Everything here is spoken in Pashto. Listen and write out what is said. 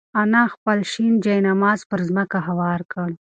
انا خپل شین جاینماز پر ځمکه هوار کړ.